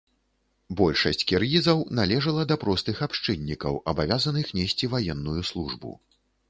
Большасць кіргізаў належыла да простых абшчыннікаў, абавязаных несці ваенную службу.